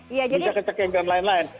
bisa kecek kemian lain lain